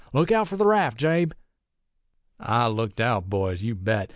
Look out for the raft, Jabe!' "I looked out, boys, you bet!